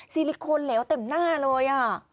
ซิลิโคนเหลวเต็มหน้าเลย